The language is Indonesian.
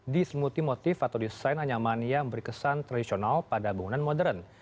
di semuti motif atau desain anyaman yang berkesan tradisional pada bangunan modern